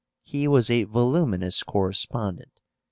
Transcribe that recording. He was a voluminous correspondent.